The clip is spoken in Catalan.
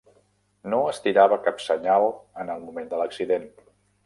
No estirava cap senyal en el moment de l'accident.